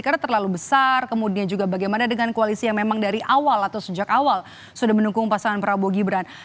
karena terlalu besar kemudian juga bagaimana dengan koalisi yang memang dari awal atau sejak awal sudah mendukung pasangan prabowo gibrant